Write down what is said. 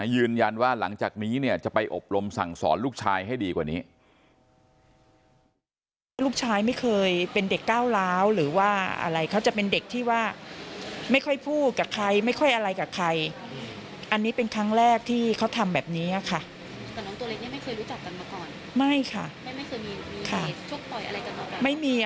ยืนยันว่าหลังจากนี้เนี่ยจะไปอบรมสั่งสอนลูกชายให้ดีกว่านี้